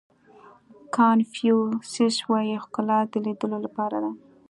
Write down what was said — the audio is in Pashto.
کانفیو سیس وایي ښکلا د لیدلو لپاره ده.